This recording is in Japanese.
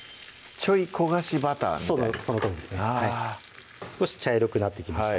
ちょい焦がしバターみたいなそのとおりですね少し茶色くなってきました